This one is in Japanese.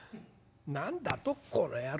「何だとこの野郎！